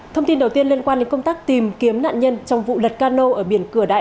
thông tin đầu tiên liên quan đến công tác tìm kiếm nạn nhân trong vụ lật cano ở biển cửa đại